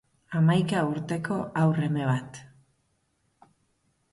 Hamaika urteko haur eme bat.